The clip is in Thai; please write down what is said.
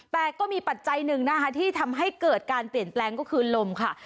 แต่ก็มีปัจจัยหนึ่งนะคะที่ทำให้เกิดการเปลี่ยนแปลงก็คือลมค่ะ